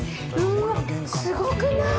うわすごくない？